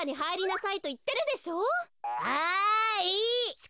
はい。